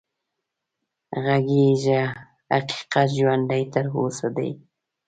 غږېږه حقيقت ژوندی تر اوسه دی